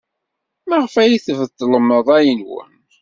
Maɣef ay tbeddlem ṛṛay-nwen?